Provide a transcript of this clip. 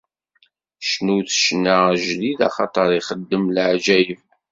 Cnut ccna ajdid, axaṭer ixeddem leɛǧayeb.